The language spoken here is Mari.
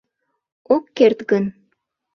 — Ок керт гын?